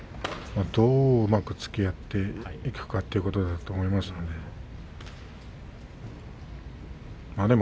どううまくつきあっていくかということだと思いますけれども。